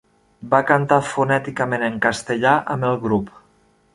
Va cantar fonèticament en castellà amb el grup.